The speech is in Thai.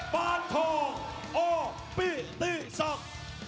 ปานทองออกปิติศักดิ์